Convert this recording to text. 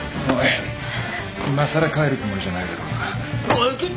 おい今更帰るつもりじゃないだろうな。